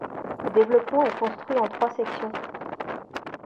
Le développement est construit en trois sections.